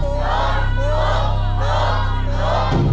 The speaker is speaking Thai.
ผู้ครับ